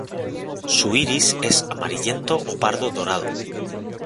Su iris es amarillento o pardo dorado.